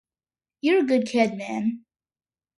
You're a good kid, man.